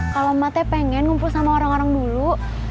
kalau emak teh pengen ngumpul sama orang orang dulu